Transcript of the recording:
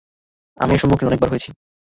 আমি এর সম্মুখীন অনেক বার হয়েছি।